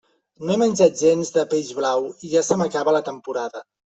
No he menjat gens de peix blau i ja se n'acaba la temporada.